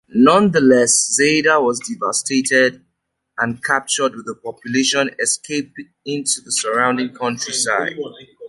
Nonetheless, Zadar was devastated and captured, with the population escaped into the surrounding countryside.